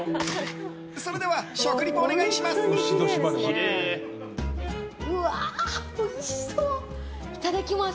それでは食リポお願いします。